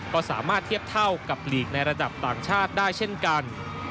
ก็สามารถเทียบเท่ากับลีกในระดับต่างชาติได้เช่นกัน